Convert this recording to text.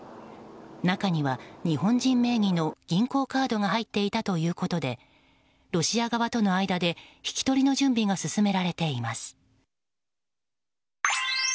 中には日本人名義の銀行カードが入っていたということでロシア側との間で引き取りの準備が進められています。